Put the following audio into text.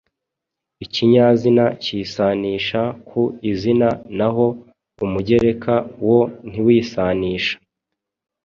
Ikinyazina kisanisha ku izina naho umugereka wo ntiwisanisha